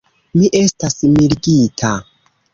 Mi estas mirigita.